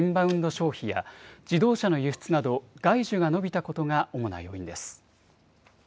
消費や自動車の輸出など外需が伸びたことが主な要因です。